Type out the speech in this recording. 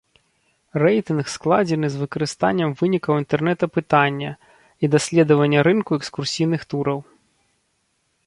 Рэйтынг складзены з выкарыстаннем вынікаў інтэрнэт-апытання і даследавання рынку экскурсійных тураў.